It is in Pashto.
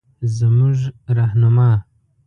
زمونره رهنما